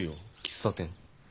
喫茶店。